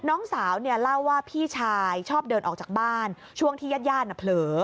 ออกจากบ้านช่วงที่ยาดเผลอ